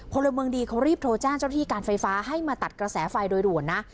พลเมืองดีเขารีบโทรแจ้งเจ้าที่การไฟฟ้าให้มาตัดกระแสไฟโดยด่วนนะ